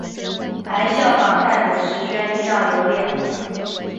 还仿效太子石宣仪仗游猎。